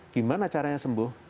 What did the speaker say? gimana caranya sembuh